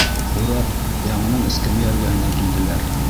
Урап, яңынан эскәмйә эргәһенә килделәр.